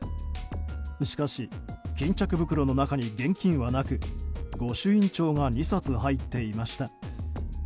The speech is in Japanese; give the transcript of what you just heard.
しかし、巾着袋の中に現金はなく御朱印帳が２冊入っていました。